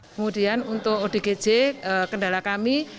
kemudian untuk odgj kendala kami